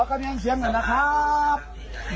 เบอร์กะเมียงเชียงหน่อยนะครับ